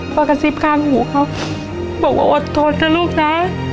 พอกระซิบข้างหูเขาบอกว่าอดทนนะลูกนะ